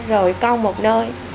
rồi con một nơi